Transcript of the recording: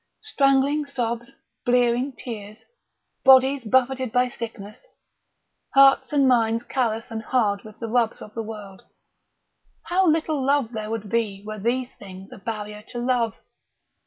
Strangling sobs, blearing tears, bodies buffeted by sickness, hearts and mind callous and hard with the rubs of the world how little love there would be were these things a barrier to love!